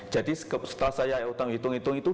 jadi setelah saya hitung hitung itu